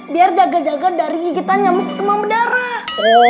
biar jaga jaga dari gigitan nyamuk ke rumah berdarah